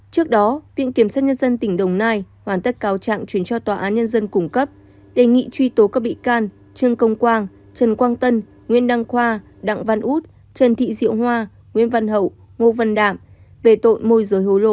trước đó viện kiểm sát nhân dân tỉnh đồng nai hoàn tất cáo trạng chuyển cho tòa án nhân dân cung cấp đề nghị truy tố các bị can trương công quang trần quang tân nguyễn đăng khoa đặng văn út trần thị diệu hoa nguyễn văn hậu ngô văn đạm về tội môi giới hối lộ